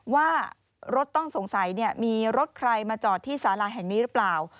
ว่ารถต้องสงสัยมีรถใครมาจอดที่สาราแห่งนี้หรือเปล่า